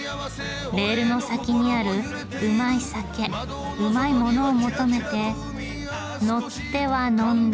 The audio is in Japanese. レールの先にあるうまい酒うまいものを求めて乗っては呑んで。